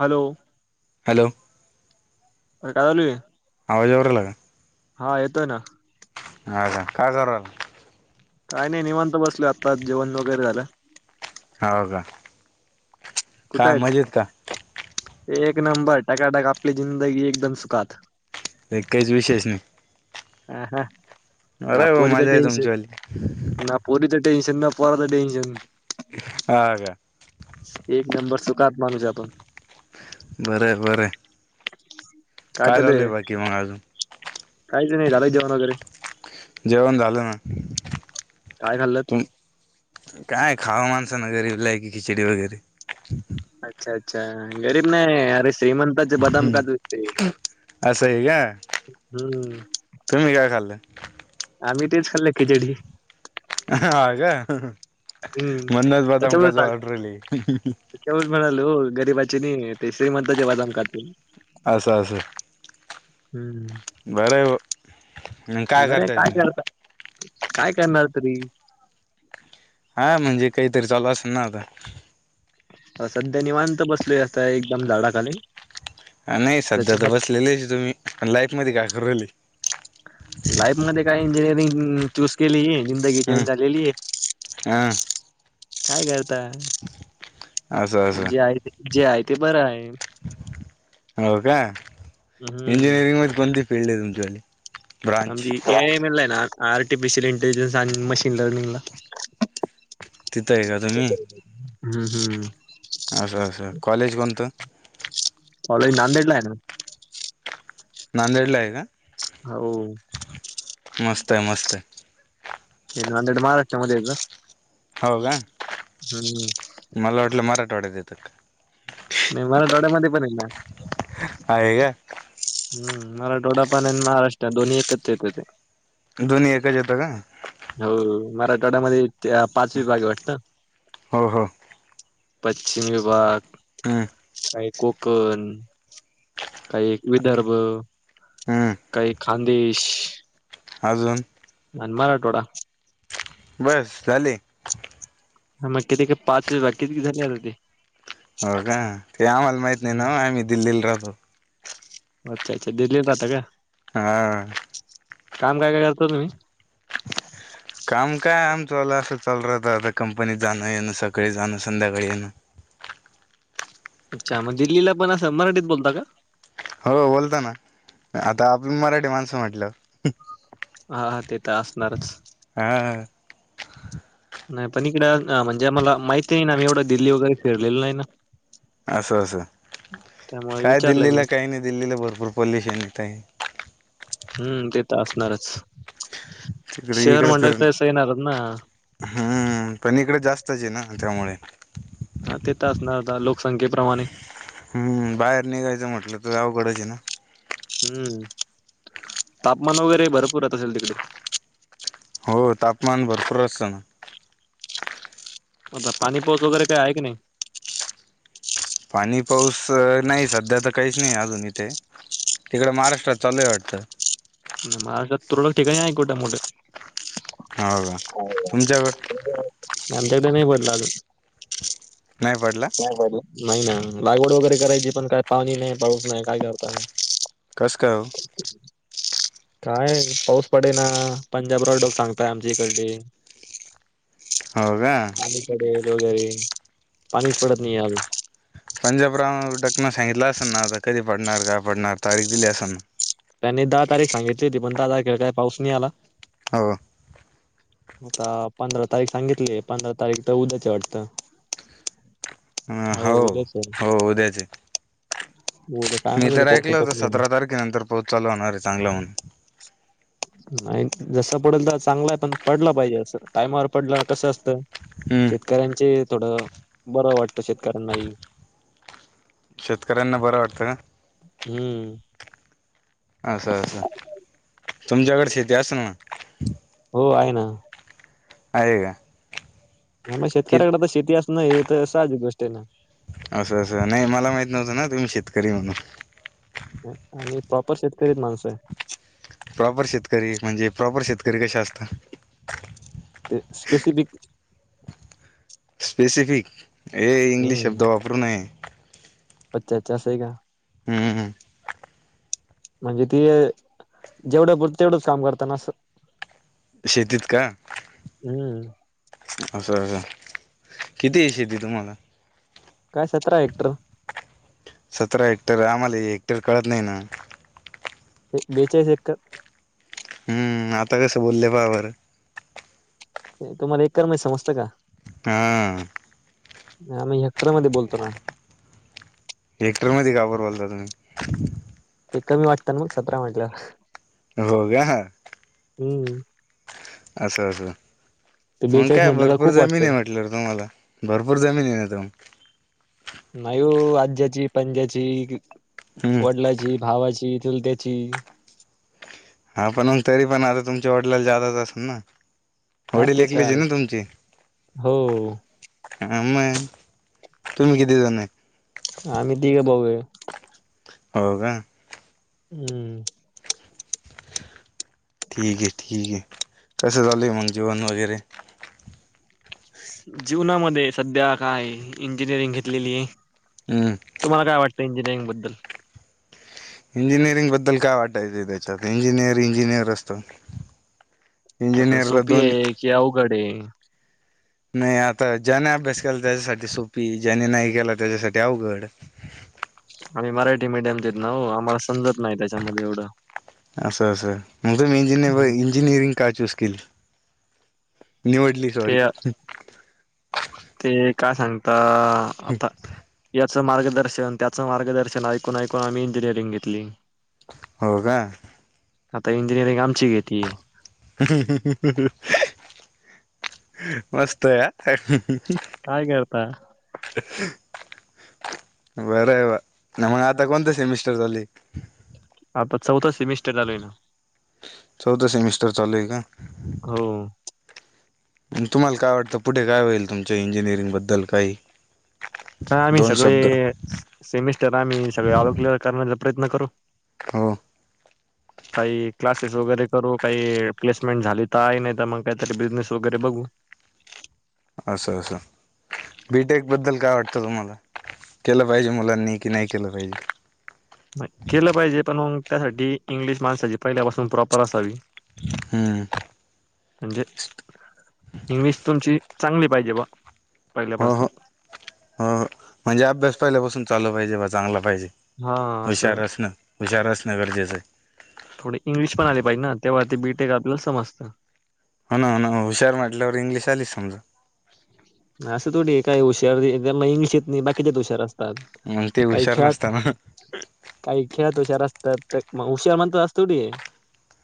Hello hello अरे काय चालू आहे? आवाज येऊ राहिला का हा येतोय ना अच्छा काय करल काय नाही निवत बसल आत्ता जेवण वगैरे झालं हो का कुठं काय आहेत मजेत का एक नंबर टकाटका आपली जिंदगी एकदम सुखात काहीच विशेष नाही ह ह ना बरं आहे भाऊ पोरीच मजा आहे टेन्शन तुमचीवाली ना पोरी टेशन ना पोराचा टेन्शन हा का एक नंबर सुखात माणूस आहे बरं आहे बरं आहे काय चालू चालय आहे? बाकी मग अजून काहीच नाही झालं जेवण वगैरे जेवण झालं ना काय खाल्लंत तुम काय खावं माणसानं गरीबलाय कि खिचडी वगैरे अच्छा अच्छा गरीब नाहीरे श्रीमंताचे बदाम हम्म काज दिसते असं आहे का हम्म तुम्ही काय खाल्लं आम्ही तेच खाल्ल खिचडी. हा का. हम्म म्हणूनच बदाम त्याच्यालंवर काजू ऑर्डर आली [unintelligible] म्हणाले हो गरीबाची नाही ते श्रीमंतांचे बदाम खाते. असं असं. हम्म. बरय ब. बरे काय करत काय करणार तरी. हा म्हणजे काहीतरी चालू असेल ना आता. अ सध्या निवांत बसल असता एकदम झाडाखाली. नाही सध्या तर त्याच्यामध्ये बसलेलेच तुम्ही पण लाईफ मध्ये का करली राहिली. लाईफ मध्ये काय इंजिनिअरिंग चूज केली आहे, जिंदगी हम्म जेईन झालेली आहे. हा काय करताय असं असं जे आहे ते बरं आहे. [unintelligible] हो का हम्म इंजिनिअरिंग मध्ये कोणती फीलल्ड आहे तुमच्याली. आमजी कायमल आहे ना [unintelligible] आर्टिफिशियल इंटेलिजन्स आणि मशीन लर्निंग ला. तिथं आहे का तुम्ही. हम्म हम्. असा असा कॉलेज कोणतं. कॉलेज नांदेडला आहे ना. नांदेडला आहे का हो. मस्त आहे मस्त आहे. हनेड [unintelligible] महाराष्ट्र मध्ये हो का मला वाटलं मराठवाड्या येतंय काय का. नाही मला डोळ्यामध्ये पण आ [unintelligible] हे ना आहे का. हम मराठवाडा पण आणि महाराष्ट्र दोन्ही एकत्रच येतय. दोन्ही का एकच येत का. हो मराठवाड्यामध्ये ते पाच विभाागे वाटत. हो हो. पश्चिम विभाग हम्म काही कोकण काही विदर्भ हम्म काही खानदेश. अजून. अन मराठवाडा. बस झाले. ह मग किती काय पाच वज किती कि, झाली आता ते. हो का ते आम्हाला माहित नाही ना हम्म. आम्ही दिल्लीला राहतो. अच्छा अच्छा दिल्ली राहता का. हा. काम काय काय करतो तुम्ही. काम काय आम चचाल असं चाल राहत आता कंपनीत जाणं येण सकाळी जाणं संध्याकाळी येण. [inaudible] अच्छा मग दिल्लीला पण असं मराठीत बोलता का. हो बोलताना आता आपण मराठी माणसं म्हटलंव. हा हा ते तर असणारच. हा नाही पण इकड अ म्हणजे आला माहिती नाही ना आम्ही एवढं दिल्ली वगैरे फिरलेल नाही ना. अससं अससं. त्यामुळे काय विचारलं मी. दिल्लीला काही नाही दिल्लीला भरपूर पॉल्युशन येत आहे. हम्म ते तर असणारच तिकडे शहर इकडे म्हणलं फिरण ते येणारच ना. हम्म पण इकडे जास्तची आहे ना त्यामुळे तेेत असणार लोकसंख्येप्रमाणे हम् बाहेर निघायचं म्हटलं तरवघडच आहे ना. हम्म तापमान वगैरे भरपूर यत असेल तिकडे सण. आता पाणीपोत वगैरे काही आहे की नाही. पाणी पाऊस नाही सध्या तर काहीच नाही अजून इथे. तिकड महाराष्ट्रात चालूय वाटतं. हो का [unintelligible] तुमच्याकड [unintelligible] नाही पडला. अजून नाही ना लागवड वगैरे करायची पण काय पाणी नाही पाऊस नाही काय करताय. कस काय ओ. काय पाऊस पडे ना पंजाब रॉडॉक् सांगताय आमची इकडली हाव का? पडेल वगैरे पाणीच पडत नाही आज. पंजाब राह टकण सांगितलं असेल ना आता कधी पडणार काय पडणार तारीख दिली असेल ना. त्यांनी दहा तारीख सांगितली होती पण दहा तारखेला काय पाऊस नाही आला. हो. आता पंधरा तारीख सांगितले पंधरा तारीख तर उद्याची वाटतं. [inaudible] हो हाव उद्याच आहे. हो उद्याचे. उद्या काय मी माहिती आता तर पाऊस ऐकल येतो होत का नाही येत. सतरा तारखेनंतर पाऊस चालू होणारे चांगलं म्हणून नाही जस पडेल तर चांगला आहे पण पडला पाहिजे असं टायमावर पडलं कसं असतं. हम्म शेतकऱ्यांचे थोडं बरं वाटतं शेतकऱ्यांनाही शेतकऱ्यांना बरं वाटतं का? हम्म असं असं तुमच्याकड शेती असल ना. हो आहे ना. आहे का? आ म कि शेतकऱ्याकडे तर शेती असन हे तर साहजिक गोष्ट आहे ना. असं असं नाही मला माहित नव्हतं ना तुम्ही शेतकरी म्हणून आणि प्रॉपर शेतकरीच माणूस आहे. प्रॉपर शेतकरी म्हणजे प्रॉपर शेतकरी कसे असता. ते स्पेसिफिक स्पेसिफिक हे इंग्लिश शब्द हम्म वापरू नये. अच्छा अच्छा अस आहे का? हम्म. म्हणजे ते जेवढं पूरत तेवढंच काम करत ना. शेतीत का? हम्म तर किती ए शेती तुम्हाला काय सतरा हेक्टर सतरा हेक्टर आम्हाला हेक्टर कळत नाही ना. एक बेचाळीस एक्कर हम्म आता कसं बोलले पहा बर. ते तुम्हाला एक्कर मध्ये समजतं का? हा. मी हेक्टर मध्ये बोलतो ना. हेक्टर मध्ये का बरं बोलता तुम्ही? ते कमी वाटतात मग सतरा म्हटल्यावर हो का? हम्म असं असं ते मग बेचाळीस काय म्हटलं का भरपूर खूप जमीन वाटतं आहे म्हटलं तुम्हाला भरपूर जमीन आहे न तर मग नाही हो आज्याची पंज्याची हम्म वडलांची भावाची चुलत्याची हा पण मग तरी पण आता तुमच्या वडिलाला जादाच असेल ना हा वडील ते तर ऐकलेच आहे ना तुमचे हो आ म आम्ही तिघे भाऊ आहे हो वा हम्म हम्म ठीक आहे ठीक आहे कसं झालं मग जेवण वगैरे जीवनामध्ये सध्या काय इंजिनिअरिंग घेतलेली हम्म तुम्हाला काय वाटतं इंजिनिअरिंग बद्दल इंजिनिअरिंग बद्दल काय वाटायचं त्याच्यात इंजिनिअर इंजिनियर असतो पण की सोपी आहे कि अवघड आहे नाही आता ज्याने अभ्यास केला त्याच्यासाठी सोपीई ज्याने नाही केला त्याच्यासाठी अवघड हम्म आ आम्ही मराठी मीडियमच्यातून देत ना हो आम्हाला समजत नाही त्याच्यामध्येल एवढं असा असा मग मी इंज इंजिनिरिंग का चूस केली निवडली सॉरी ते हम्म ते काय सांगता ता आता हयाच मार्गदर्शन त्याचं मार्गदर्शन ऐकून ऐकून आम्ही इंजिनिअरिंग घेतली हो अ का आता इंजिनिअरिंग आमची घेतली हम् हम् हम् ह मस्त या काय य करता बरं आहे बा मग आता कोणते सेमिस्टर झाली आता चौथं सेमिस्टर झालय ना चौदा सेमिस्टर चालू आहे काय हो. म तुम्हाला काय वाटतं पुढे काय होईल तुमच्या इंजिनिअरिंगबद्दल काही का आम्ही दोन सगळे शब्द सेमिस्टर आम्ही सगळे आल किलअर करण्याचा प्रयत्न करू हो काही ई क्लास काही सोबतच करू काही प्लेसमेंट झाले तर नाही काहीतरी बिझनेस वगैरे बघू असं असं बी टेक बद्दल काय वाटतं तुम्हाला केलं पाहिजे मुलांनी कि नाही केलं पाहिजे बर केलं पाहिजे पण मग त्यासाठी इंग्लिश माणसाची पहिल्यापासून प्रॉपर असावी हम्म म् म्हणजे इंग्लिश तुमची चांगली पाहिजे बा हो हो हो पहिल्यापासून हो म्हणजे अभ्यास पहिल्यापासून चालू पाहिजे बा चांगला पाहिजे हा बा हुशार असं असण हुशार असण गरजेचे आहे थोडे इंग्लिश पण आले पाहिजे ना तेव्हा ते बी टेक आपल्याला समजतं हो ना हो ना हुशार म्हटल्यावर मग इंग्लिश आलीच समजा असं थोडी काय हुशार म्हटल की इंग्लि येत नाही बाकीच्यात हुशार असत मग ते काही हुशार खेळात नसताना त काही खेळात हुशार असतात तर मग हुशार म्हणतात असतो की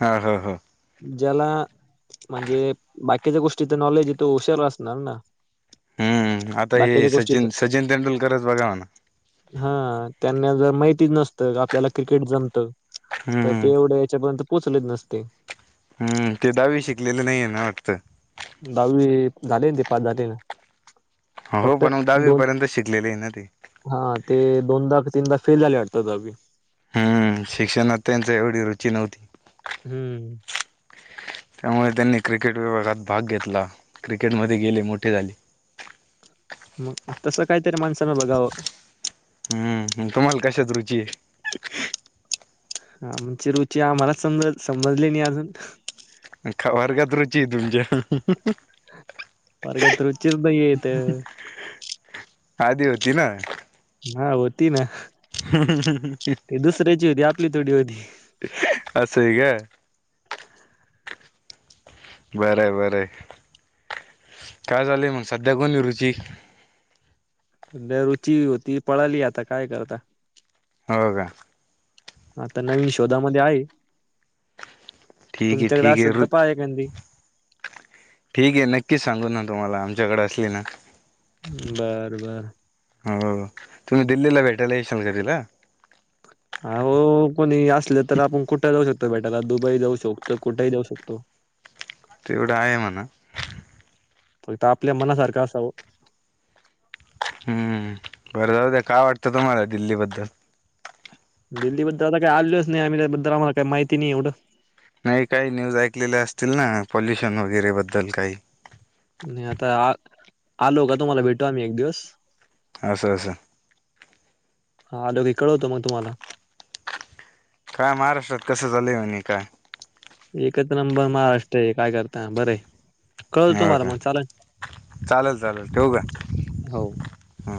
हा हा हा ज्याला म्हणजे बाकीच्या गोष्टीच नॉलेज येतो हुशार असणार ना हम्म आता हे बाकीच्या गोष्टीच सचिन सचिन तेंडुलकरच बघा ना हा त्यांना जर माहितीच नसतं आपल्याला क्रिकेट जमतं तर हम्म ते एवढं हयाच्यापर्यंत पोहचलत नसतय हम्म. ते दहावी शिकलेले नाहीय ना? वाटत. दहावी झाले ते. पास झाले ना. हो फक्त पण मग दहावी दोन पर्यंत शिकलेले आहे ना ते हा ते दोनदा की तीनदा- फेल झाले वाटत दहावीत. हम्म शिक्षणात त्यांचं ऐवढी रुची नव्हती. हम्म. त्यामुळे त्यांनी क्रिकेट विभागात भाग घेतला. क्रिकेटमध्ये गेले मोठे झाले. चा मग तसं काहीतरी माणसानं बघावं हम्म हहम्म तुम्हाला कशात रु ची हा आमची रुची आम्हालाच समज समजली नाही अजून. का वर्गात रुची आहे तुमच्या. [unintelligible] आधी होती ना. हा होती ना. ते दुसऱ्याची होती आपली थोडी होती. [unintelligible] बर बर काय चालूये म सध्या कोण आहे रुची. सध्या रुची होती पळाली आता काय करता. हो का. आता नवीन शोधा मध्ये आहे. ठीक आहे तुमच्याकडे ठीक आहे असेल रु तर पाहा एखादी. ठीक आहे नक्कीच सांगून आन तुम्हाला आमच्याकड असली ना. बर बर हो तुम्ही दिल्लीला भेटायला येशाल का तिला. अ हो कोणी असले तर आपण कुठ जाऊ शक तो भेटायला दुबई जाऊ शकतो कुठेही जाऊ शकतो. तेवढं आहे म्हणा. फक्त आपल्या मनासारखं असावं. हम्म बरं जाऊ द्या काय वाटतं तुम्हाला दिल्ली बद्दल? दिल्ली बद्दल आता काही आलेलोच नाही आम्ही त्याबद्दल आम्हाला काही माहिती नाही एवढं. नाही काही न्यूज ऐकलेल्या असतील ना पॉल्युशन वगैरे बद्दल काही. नाही आता आ आलो का तुम्हाला भेटू आम्ही एक दिवस. अस असं. हा आलो की कळवतो मग तुम्हाला. काय महाराष्ट्रात कसं चालंय आणि काय? एकच नंबर महाराष्ट्र आहे काय करता बरं आहे कळवतो तुम्हाला मग चालेल. चालल चालल ठेवू हो. का?